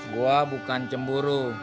gue bukan cemburu